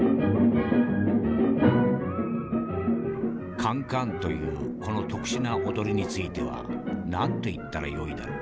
「カンカンというこの特殊な踊りについては何と言ったらよいだろう。